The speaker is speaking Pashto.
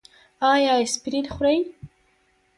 ایا اسپرین خورئ؟